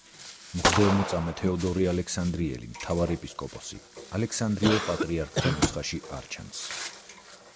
მღვდელმოწამე თეოდორე ალექსანდრიელი მთავარეპისკოპოსი ალექსანდრიელ პატრიარქთა ნუსხაში არ ჩანს.